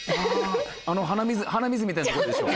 あの鼻水みたいなとこでしょ？